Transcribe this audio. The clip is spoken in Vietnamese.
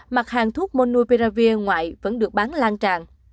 mặt hàng thuốc monouperavir ngoại vẫn được bán lan tràn